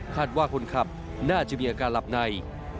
ว่าคนขับน่าจะมีอาการหลับใน